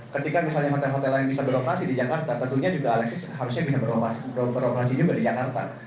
ketika misalnya hotel hotel lain bisa beroperasi di jakarta tentunya juga alexis harusnya bisa beroperasi juga di jakarta